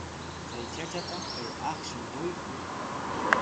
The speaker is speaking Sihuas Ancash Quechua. Chay chachata kay akshun quykuy.